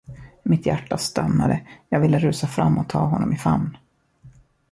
Mitt hjärta stannade, jag ville rusa fram och ta honom i famn.